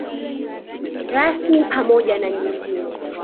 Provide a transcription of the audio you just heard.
Rasmi pamoja na nyingine.